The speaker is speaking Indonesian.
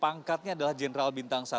pangkatnya adalah general bintang satu